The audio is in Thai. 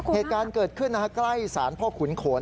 เหตุการณ์เกิดขึ้นใกล้ศาลพ่อขุนโขน